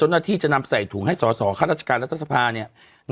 เนี่ยเขาก็ว่าอย่างงั้น